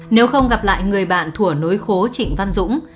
nếu không gặp lại người bạn thủa nối khố trịnh văn dũng